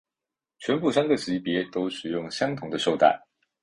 全部三个级别都使用相同的绶带。